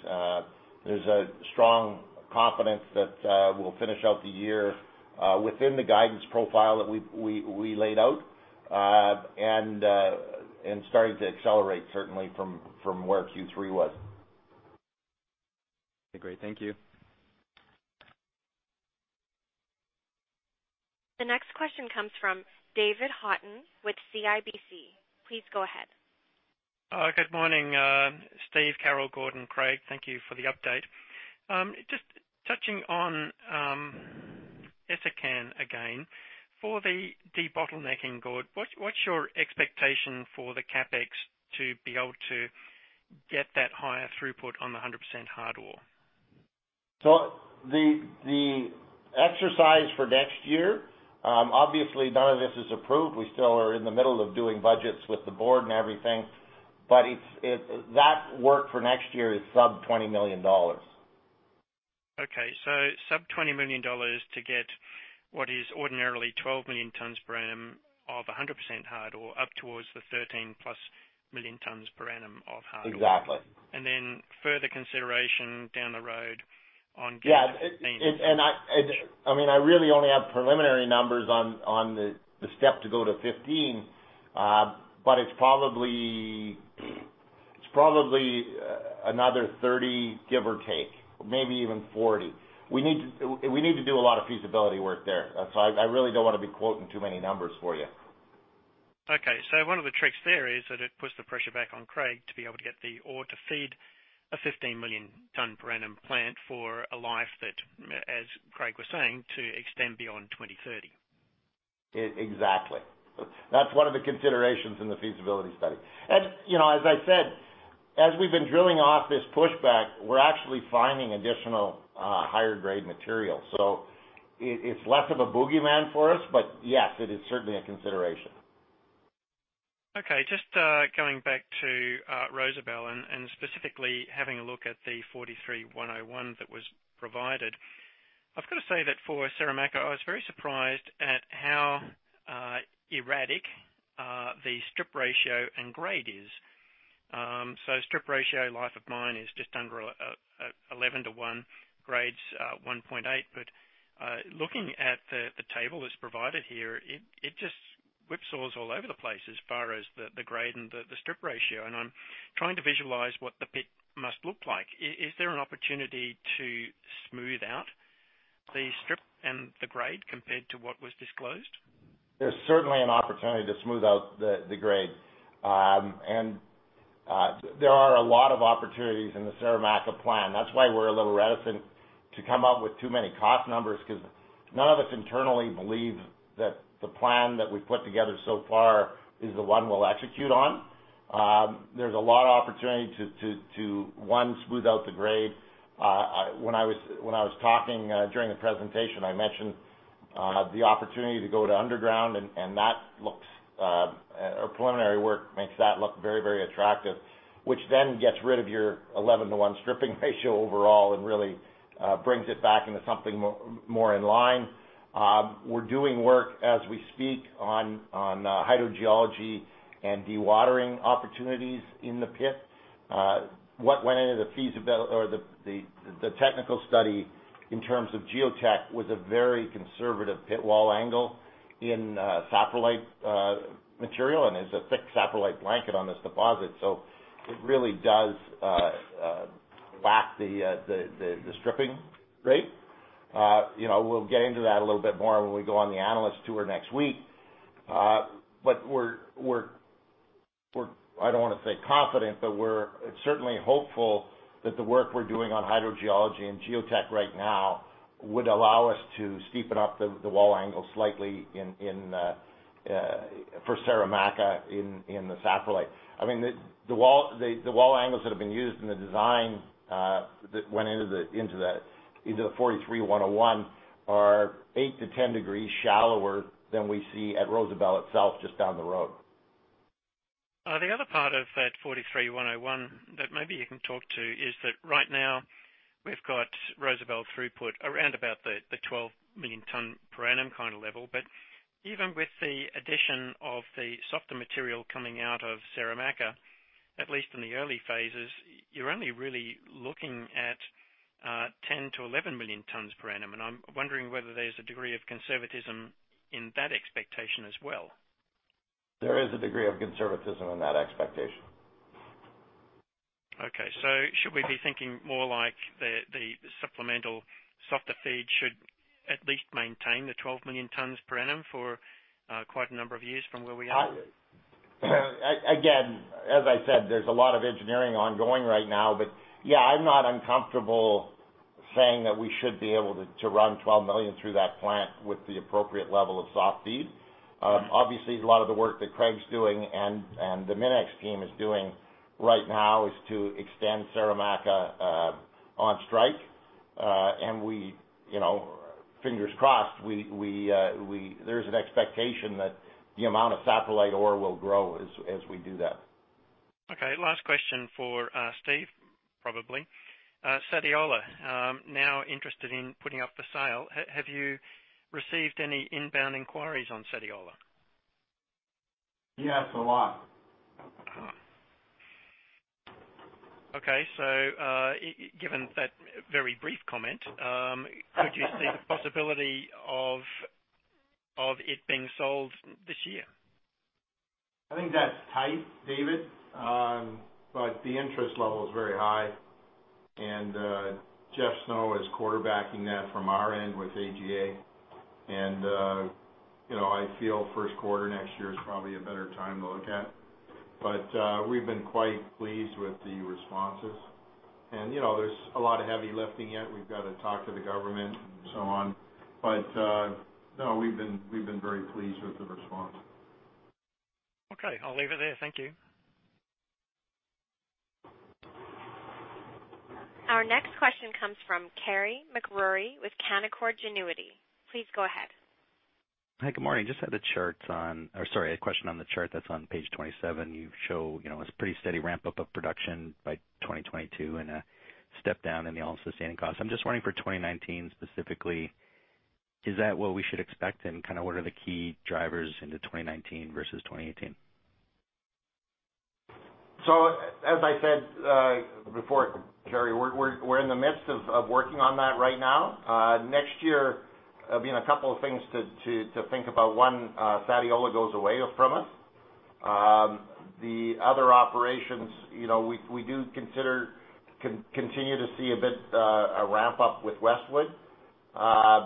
There's a strong confidence that we'll finish out the year within the guidance profile that we laid out, and starting to accelerate certainly from where Q3 was. Okay, great. Thank you. The next question comes from David Haughton with CIBC. Please go ahead. Good morning Steve, Carol, Gord, and Craig. Thank you for the update. Just touching on Essakane again, for the debottlenecking, Gord, what's your expectation for the CapEx to be able to get that higher throughput on the 100% hard ore? The exercise for next year, obviously none of this is approved. We still are in the middle of doing budgets with the board and everything. That work for next year is sub-$20 million. Okay, sub-$20 million to get what is ordinarily 12 million tons per annum of 100% hard ore up towards the 13 plus million tons per annum of hard ore. Exactly. Further consideration down the road on getting to 15. I really only have preliminary numbers on the step to go to 15. It's probably another $30, give or take, maybe even $40. We need to do a lot of feasibility work there. I really don't want to be quoting too many numbers for you. Okay. One of the tricks there is that it puts the pressure back on Craig to be able to get the ore to feed a 15 million tons per annum plant for a life that, as Craig was saying, to extend beyond 2030. Exactly. That's one of the considerations in the feasibility study. As I said, as we've been drilling off this pushback, we're actually finding additional higher grade material. It's less of a boogeyman for us. Yes, it is certainly a consideration. Okay, just going back to Rosebel and specifically having a look at the 43-101 that was provided. I've got to say that for Saramacca, I was very surprised at how erratic the strip ratio and grade is. Strip ratio life of mine is just under 11 to 1, grades 1.8. Looking at the table that's provided here, it just whipsaws all over the place as far as the grade and the strip ratio, and I'm trying to visualize what the pit must look like. Is there an opportunity to smooth out the strip and the grade compared to what was disclosed? There's certainly an opportunity to smooth out the grade. There are a lot of opportunities in the Saramacca plan. That's why we're a little reticent to come up with too many cost numbers because none of us internally believe that the plan that we've put together so far is the one we'll execute on. There's a lot of opportunity to, one, smooth out the grade. When I was talking during the presentation, I mentioned the opportunity to go to underground, preliminary work makes that look very attractive, which then gets rid of your 11 to 1 stripping ratio overall and really brings it back into something more in line. We're doing work as we speak on hydrogeology and dewatering opportunities in the pit. What went into the technical study in terms of geotech was a very conservative pit wall angle in saprolite material, and there's a thick saprolite blanket on this deposit. It really does lack the stripping rate. We'll get into that a little bit more when we go on the analyst tour next week. We're, I don't want to say confident, but we're certainly hopeful that the work we're doing on hydrogeology and geotech right now would allow us to steepen up the wall angle slightly for Saramacca in the saprolite. The wall angles that have been used in the design that went into the 43-101 are 8-10 degrees shallower than we see at Rosebel itself just down the road. The other part of that 43-101 that maybe you can talk to is that right now we've got Rosebel throughput around about the 12 million tons per annum kind of level. Even with the addition of the softer material coming out of Saramacca, at least in the early phases, you're only really looking at 10-11 million tons per annum, and I'm wondering whether there's a degree of conservatism in that expectation as well. There is a degree of conservatism in that expectation. Okay. Should we be thinking more like the supplemental softer feed should at least maintain the 12 million tons per annum for quite a number of years from where we are? as I said, there's a lot of engineering ongoing right now. Yeah, I'm not uncomfortable saying that we should be able to run 12 million through that plant with the appropriate level of soft feed. Right. Obviously, a lot of the work that Craig's doing and the MinEx team is doing right now is to extend Saramacca on strike. Fingers crossed, there's an expectation that the amount of satellite ore will grow as we do that. Okay. Last question for Steve, probably. Sadiola, now interested in putting up for sale. Have you received any inbound inquiries on Sadiola? Yes, a lot. Okay. Given that very brief comment, could you see the possibility of it being sold this year? I think that's tight, David, the interest level is very high and Jeff Snow is quarterbacking that from our end with AGA. I feel first quarter next year is probably a better time to look at. We've been quite pleased with the responses. There's a lot of heavy lifting yet. We've got to talk to the government and so on. No, we've been very pleased with the response. Okay. I'll leave it there. Thank you. Our next question comes from Carey MacRury with Canaccord Genuity. Please go ahead. Hi. Good morning. Just had a question on the chart that is on page 27. You show a pretty steady ramp-up of production by 2022 and a step down in the all-in sustaining costs. I am just wondering for 2019 specifically, is that what we should expect, and what are the key drivers into 2019 versus 2018? As I said before, Carey, we are in the midst of working on that right now. Next year, being a couple of things to think about, one, Sadiola goes away from us. The other operations, we do continue to see a bit of a ramp-up with Westwood. Essakane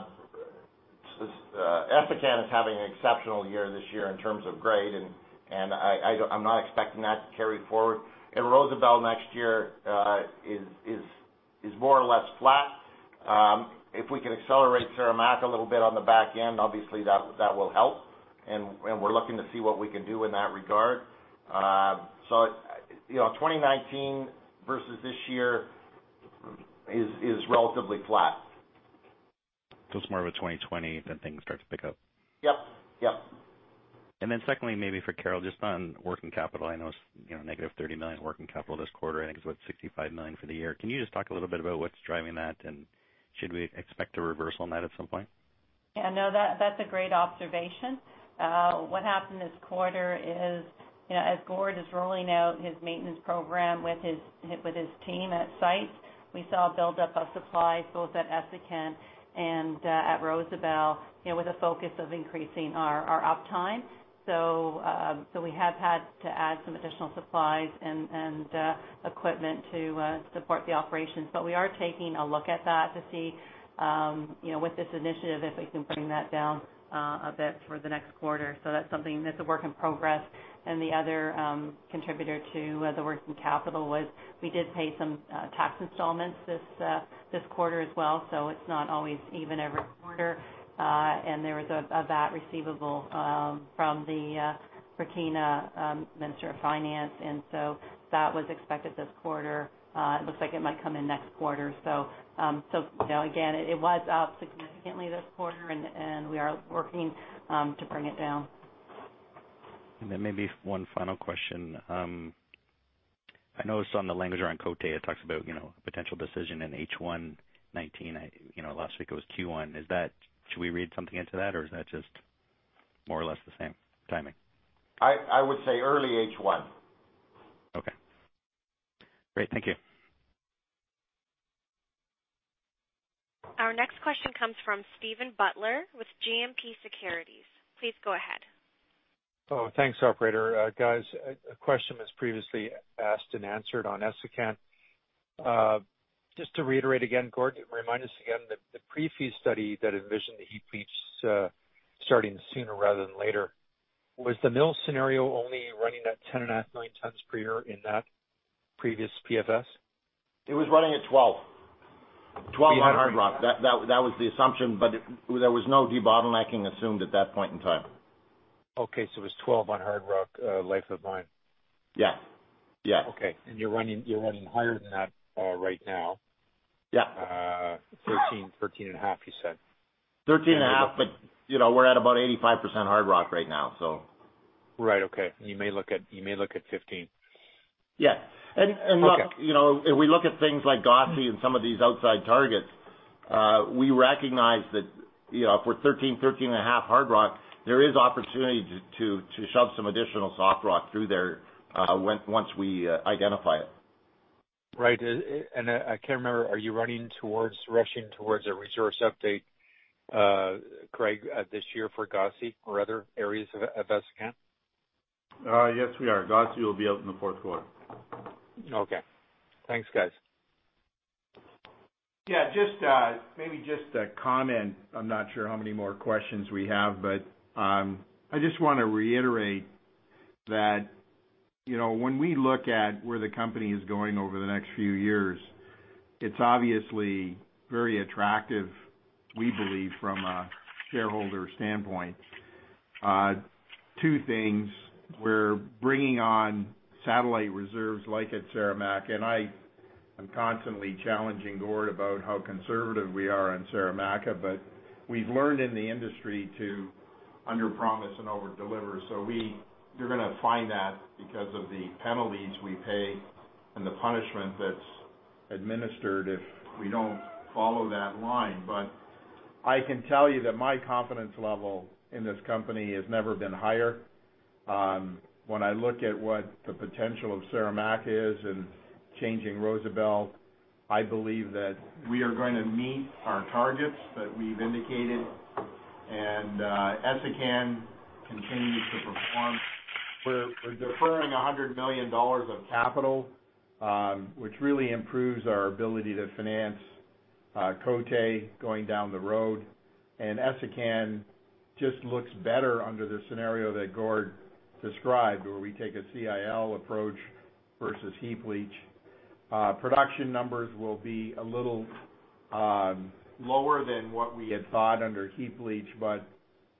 is having an exceptional year this year in terms of grade and I am not expecting that to carry forward. Rosebel next year is more or less flat. If we can accelerate Saramacca a little bit on the back end, obviously that will help, and we are looking to see what we can do in that regard. 2019 versus this year is relatively flat. It is more of a 2020, things start to pick up. Yep. Secondly, maybe for Carol, just on working capital, I know it is negative $30 million working capital this quarter, I think it is, what, $65 million for the year. Can you just talk a little bit about what is driving that, and should we expect a reversal on that at some point? Yeah, no, that's a great observation. What happened this quarter is, as Gord is rolling out his maintenance program with his team at site, we saw a build-up of supplies both at Essakane and at Rosebel, with a focus of increasing our uptime. We have had to add some additional supplies and equipment to support the operations. We are taking a look at that to see, with this initiative, if we can bring that down a bit for the next quarter. That's a work in progress. The other contributor to the working capital was we did pay some tax installments this quarter as well, so it's not always even every quarter. There was a VAT receivable from the Burkina Minister of Finance. That was expected this quarter. It looks like it might come in next quarter. Again, it was up significantly this quarter, and we are working to bring it down. Maybe one final question. I noticed on the language around Côté, it talks about a potential decision in H1 2019. Last week it was Q1. Should we read something into that, or is that just more or less the same timing? I would say early H1. Okay. Great. Thank you. Our next question comes from Steven Butler with GMP Securities. Please go ahead. Thanks, operator. Guys, a question was previously asked and answered on Essakane. Just to reiterate again, Gord, remind us again, the pre-feasibility study that envisioned the heap leach starting sooner rather than later. Was the mill scenario only running at 10.5, nine tons per year in that previous PFS? It was running at 12. 12 on hard rock. That was the assumption, but there was no debottlenecking assumed at that point in time. Okay. It was 12 on hard rock, Life-of-Mine. Yeah. Okay. You're running higher than that right now. Yeah. 13 and a half you said. 13 and a half, we're at about 85% hard rock right now. Right, okay. You may look at 15. Yeah. Okay. Look, if we look at things like Gossi and some of these outside targets, we recognize that for 13.5 hard rock, there is opportunity to shove some additional soft rock through there once we identify it. Right. I can't remember, are you rushing towards a resource update, Craig, this year for Gossi or other areas of Essakane? Yes, we are. Gossi will be out in the fourth quarter. Okay. Thanks, guys. Yeah. Maybe just a comment. I'm not sure how many more questions we have, but I just want to reiterate that when we look at where the company is going over the next few years, it's obviously very attractive, we believe, from a shareholder standpoint. Two things, we're bringing on satellite reserves like at Saramacca, and I'm constantly challenging Gord about how conservative we are on Saramacca, but we've learned in the industry to underpromise and overdeliver. You're going to find that because of the penalties we pay and the punishment that's administered if we don't follow that line. I can tell you that my confidence level in this company has never been higher. When I look at what the potential of Saramacca is and changing Rosebel, I believe that we are going to meet our targets that we've indicated, and Essakane continues to perform. We're deferring $100 million of capital, which really improves our ability to finance Côté going down the road, and Essakane just looks better under the scenario that Gord described, where we take a CIL approach versus heap leach. Production numbers will be a little lower than what we had thought under heap leach, but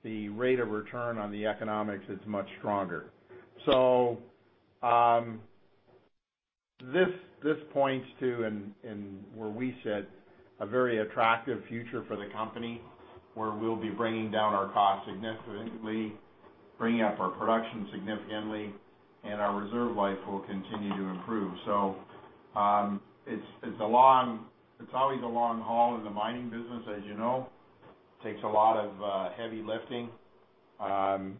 the rate of return on the economics is much stronger. This points to, and where we sit, a very attractive future for the company, where we'll be bringing down our costs significantly, bringing up our production significantly, and our reserve life will continue to improve. It's always a long haul in the mining business, as you know. Takes a lot of heavy lifting.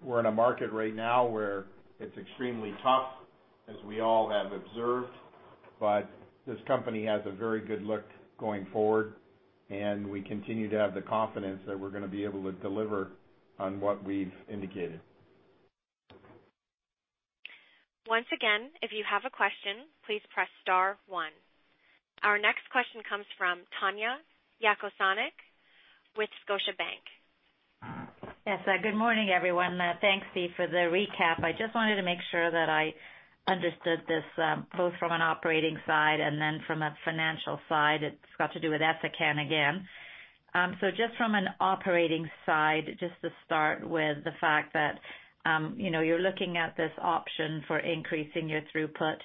We're in a market right now where it's extremely tough, as we all have observed, but this company has a very good look going forward, and we continue to have the confidence that we're going to be able to deliver on what we've indicated. Once again, if you have a question, please press star one. Our next question comes from Tanya Jakusconek with Scotiabank. Yes. Good morning, everyone. Thanks, Steve, for the recap. I just wanted to make sure that I understood this, both from an operating side and from a financial side. It's got to do with Essakane again. Just from an operating side, just to start with the fact that you're looking at this option for increasing your throughput.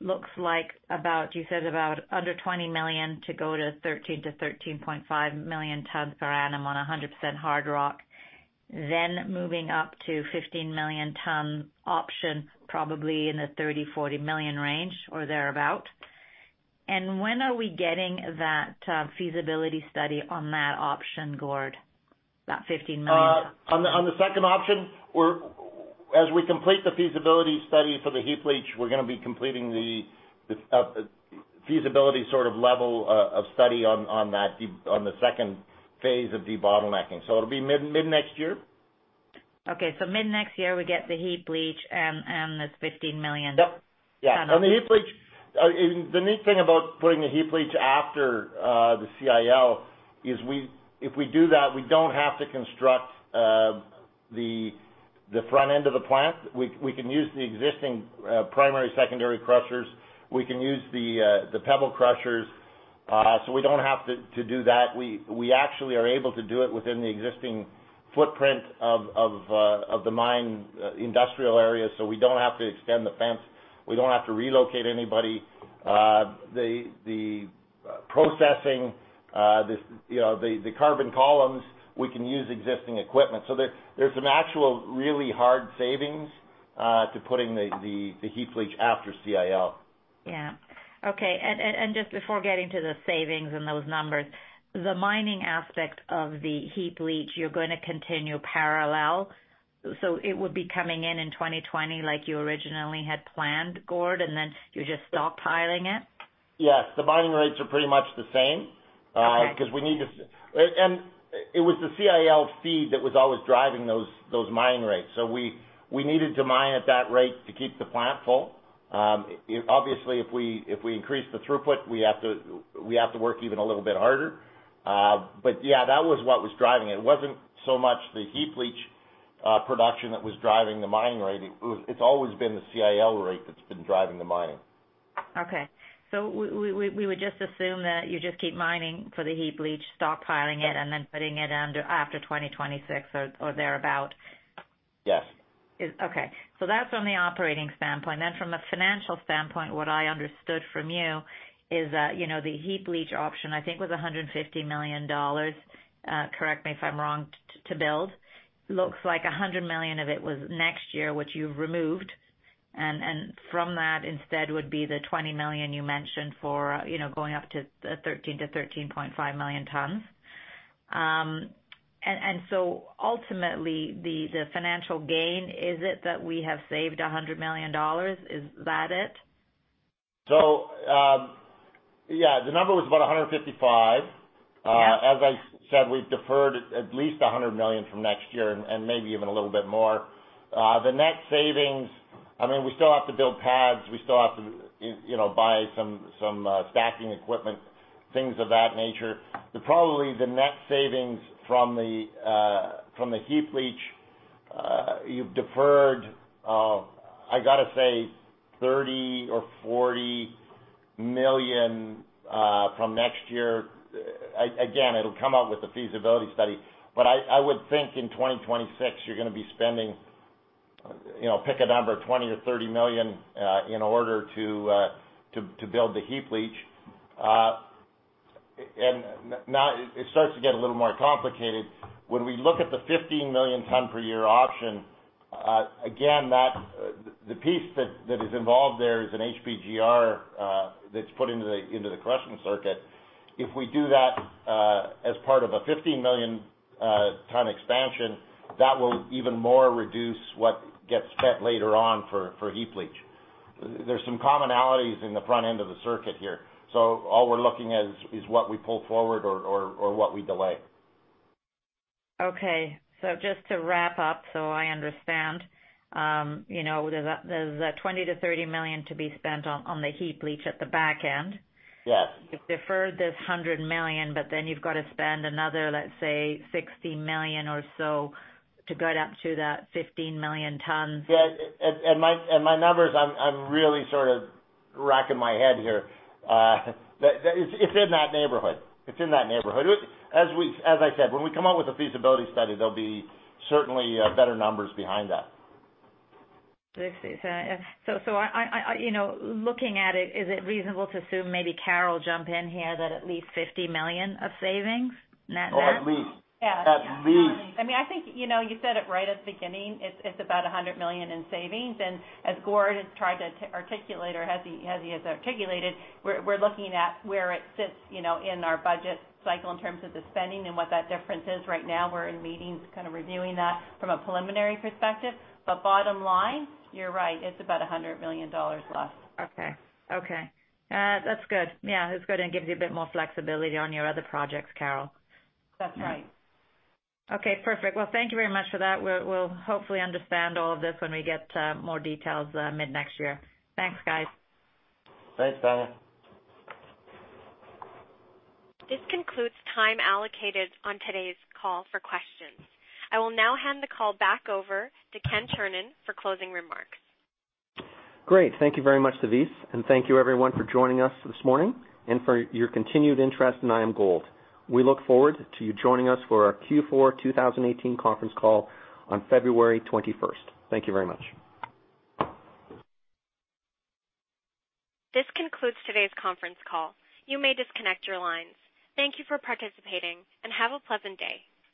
Looks like about, you said about under 20 million to go to 13-13.5 million tons per annum on 100% hard rock. Moving up to 15 million ton option, probably in the $30 million-$40 million range or thereabout. When are we getting that feasibility study on that option, Gord? That 15 million ton. On the second option, as we complete the feasibility study for the heap leach, we're going to be completing the feasibility level of study on the phase 2 of debottlenecking. It'll be mid next year. Okay. Mid-next year, we get the heap leach and this 15 million tons. Yep. Yeah. On the heap leach, the neat thing about putting the heap leach after the CIL is if we do that, we don't have to construct the front end of the plant. We can use the existing primary, secondary crushers. We can use the pebble crushers, we don't have to do that. We actually are able to do it within the existing footprint of the mine industrial area, we don't have to extend the fence. We don't have to relocate anybody. The processing, the carbon columns, we can use existing equipment. There's some actual, really hard savings to putting the heap leach after CIL. Yeah. Okay, just before getting to the savings and those numbers, the mining aspect of the heap leach, you're going to continue parallel? It would be coming in in 2020 like you originally had planned, Gord, and then you're just stockpiling it? Yes. The mining rates are pretty much the same. Okay. It was the CIL feed that was always driving those mining rates. We needed to mine at that rate to keep the plant full. Obviously, if we increase the throughput, we have to work even a little bit harder. Yeah, that was what was driving it. It wasn't so much the heap leach production that was driving the mining rate. It's always been the CIL rate that's been driving the mining. Okay. We would just assume that you just keep mining for the heap leach, stockpiling it, and then putting it under after 2026 or thereabout? Yes. Okay. That's from the operating standpoint. From a financial standpoint, what I understood from you is that the heap leach option, I think, was $150 million, correct me if I'm wrong, to build. Looks like $100 million of it was next year, which you've removed. From that instead would be the $20 million you mentioned for going up to 13 to 13.5 million tons. Ultimately, the financial gain, is it that we have saved $100 million? Is that it? Yeah, the number was about $155. Yeah. As I said, we've deferred at least $100 million from next year and maybe even a little bit more. The net savings, we still have to build pads, we still have to buy some stacking equipment, things of that nature. Probably the net savings from the heap leach, you've deferred, I got to say $30 million or $40 million from next year. Again, it'll come out with the feasibility study. I would think in 2026, you're going to be spending, pick a number, $20 million or $30 million, in order to build the heap leach. Now it starts to get a little more complicated. When we look at the 15 million ton per year option, again, the piece that is involved there is an HPGR that's put into the crushing circuit. If we do that as part of a 15 million ton expansion, that will even more reduce what gets spent later on for heap leach. There's some commonalities in the front end of the circuit here. All we're looking at is what we pull forward or what we delay. Okay. Just to wrap up so I understand, there's that $20 million to $30 million to be spent on the heap leach at the back end. Yes. You've deferred this $100 million, you've got to spend another, let's say, $60 million or so to get up to that 15 million tons. Yeah. My numbers, I'm really sort of racking my head here. It's in that neighborhood. As I said, when we come out with a feasibility study, there'll be certainly better numbers behind that. Looking at it, is it reasonable to assume, maybe Carol jump in here, that at least $50 million of savings net? At least. Yeah. At least. I think you said it right at the beginning, it's about $100 million in savings. As Gord has tried to articulate, or as he has articulated, we're looking at where it sits in our budget cycle in terms of the spending and what that difference is. Right now, we're in meetings kind of reviewing that from a preliminary perspective. Bottom line, you're right, it's about $100 million less. Okay. That's good. That's good, it gives you a bit more flexibility on your other projects, Carol. That's right. Okay, perfect. Thank you very much for that. We'll hopefully understand all of this when we get more details mid next year. Thanks, guys. Thanks, Tanya. This concludes time allocated on today's call for questions. I will now hand the call back over to Ken Chernin for closing remarks. Great. Thank you very much, Denise, and thank you, everyone, for joining us this morning and for your continued interest in IAMGOLD. We look forward to you joining us for our Q4 2018 conference call on February 21st. Thank you very much. This concludes today's conference call. You may disconnect your lines. Thank you for participating and have a pleasant day.